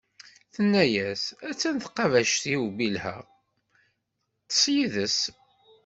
Tenna-as: a-tt-an tqeddact-iw Bilha, ṭṭeṣ yid-s.